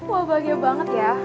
wah bahagia banget ya